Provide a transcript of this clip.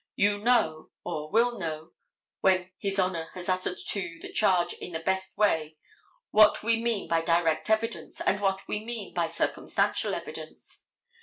You know, or will know, when his honor has uttered to you the charge in the best way what we mean by direct evidence, and what we mean by circumstantial evidence.